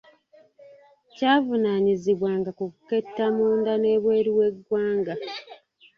Kyavunaanyizibwanga ku kuketta munda n’ebweru w’eggwanga.